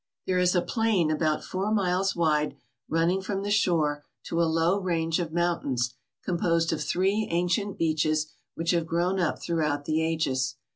There is a plain about four miles wide running from the shore to a low range of mountains, composed of three ancient beaches which have grown up throughout the ages.